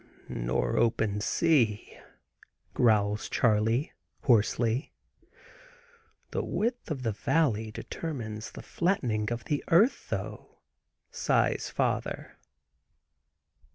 "Nor open sea," growls Charley, hoarsely. "The width of the valley determines the flattening of the earth, though," sighs father.